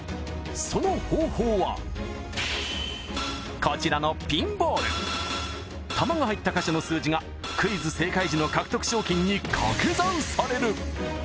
その方法はこちらのピンボール球が入った箇所の数字がクイズ正解時の獲得賞金にかけ算される